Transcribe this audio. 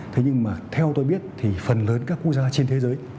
thế nhưng mà theo tôi biết thì phần lớn các quốc gia trên thế giới